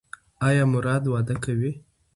ایا مراد واده کوي؟